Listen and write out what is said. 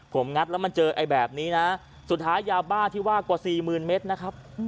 ผมงัดแล้วมาเจอไอ้แบบนี้นะสุดท้ายยาบ้าที่ว่ากว่าสี่หมื่นเมตรนะครับ